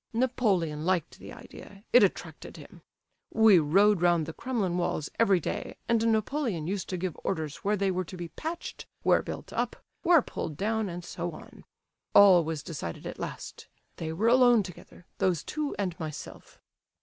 Napoleon liked the idea—it attracted him. We rode round the Kremlin walls every day, and Napoleon used to give orders where they were to be patched, where built up, where pulled down and so on. All was decided at last. They were alone together—those two and myself.